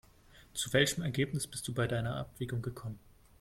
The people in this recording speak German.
Zu welchem Ergebnis bist du bei deiner Abwägung gekommen?